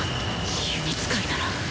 弓使いなら。